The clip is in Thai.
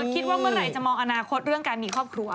คิดว่าเมื่อไหร่จะมองอนาคตเรื่องการมีครอบครัว